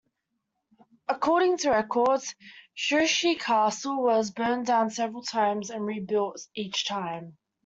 According to records, Shuri Castle was burned down several times, and rebuilt each time.